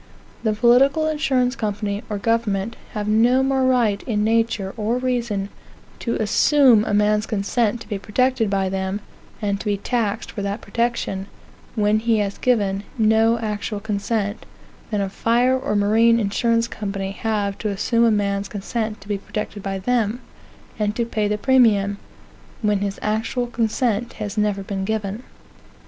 The political insurance company, or government, have no more right, in nature or reason, to assume a man's consent to be protected by them, and to be taxed for that protection, when he has given no actual consent, than a fire or marine insurance company have to assume a man's consent to be protected by them, and to pay the premium, when his actual consent has never been given.